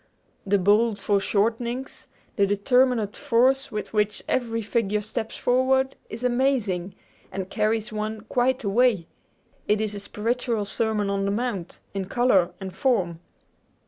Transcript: The bold foreshortenings, the determinate force with which every figure steps forward, is amazing, and carries one quite away! It is a spiritual Sermon on the Mount, in color and form.